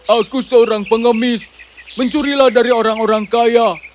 aku seorang pengemis mencurilah dari orang orang kaya